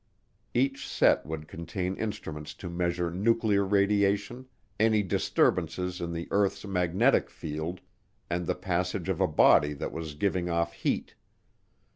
Each set would contain instruments to measure nuclear radiation, any disturbances in the earth's magnetic field, and the passage of a body that was giving off heat.